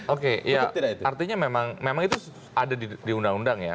oke ya artinya memang itu ada di undang undang ya